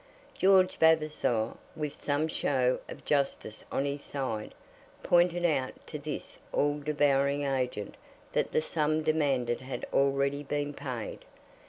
George Vavasor, with some show of justice on his side, pointed out to this all devouring agent that the sum demanded had already been paid.